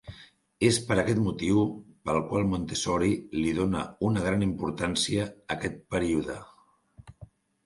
És per aquest motiu pel qual Montessori li dóna una gran importància a aquest període.